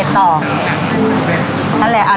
นี่อ่ะใส่เฮรรดิ์ต่อ